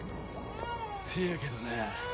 せやけどな